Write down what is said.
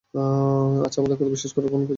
আচ্ছা, আমাদের কথা বিশ্বাস করার কোনো প্রয়োজন নেই।